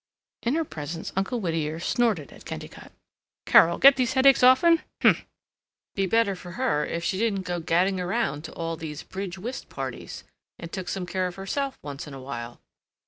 In her presence Uncle Whittier snorted at Kennicott, "Carol get these headaches often? Huh? Be better for her if she didn't go gadding around to all these bridge whist parties, and took some care of herself once in a while!"